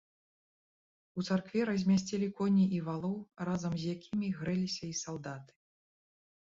У царкве размясцілі коней і валоў, разам з якімі грэліся і салдаты.